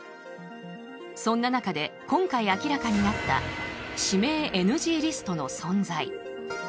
そんな中で今回明らかになった指名ＮＧリストの存在。